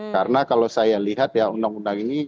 karena kalau saya lihat ya undang undang ini